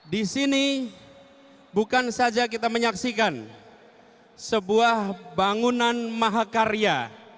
di sini bukan saja kita menyaksikan sebuah bangunan mahakarya